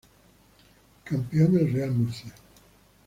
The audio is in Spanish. Campeón el Real Murcia.